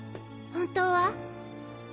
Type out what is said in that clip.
本当は？